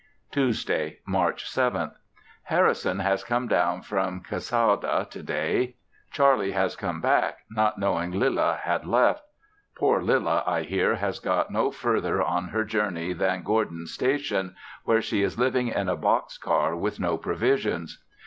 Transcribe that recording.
Tuesday, March 7th. Harrison has come down from Cassawda to day. Charlie has come back, not knowing Lilla had left. Poor Lilla I hear has got no further on her journey than Gourdin's Station, where she is living in a box car with no provisions.